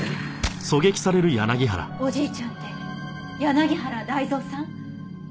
おじいちゃんって柳原大造さん？